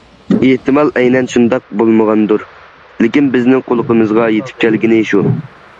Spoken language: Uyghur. ئېھتىمال، ئەينەن شۇنداق بولمىغاندۇر، لېكىن بىزنىڭ قۇلىقىمىزغا پېتىپ كەلگىنى شۇ.